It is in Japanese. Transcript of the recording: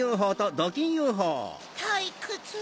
たいくつ。